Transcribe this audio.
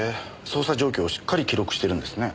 捜査状況をしっかり記録してるんですね。